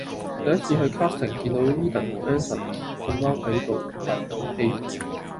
第一次去 casting 又見到 Edan 同 Anson 咁啱喺度排緊戲